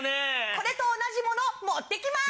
これと同じもの持ってきます！